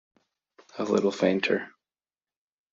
A little fainter.